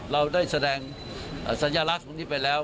เราได้แสดงสัญลักษณ์ตรงนี้ไปแล้ว